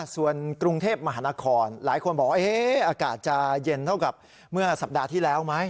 ส่วนกรุงเทพมหานครหลายคนบอกว่าอากาศจะเย็นเท่ากับเมื่อสัปดาห์ที่แล้วไหม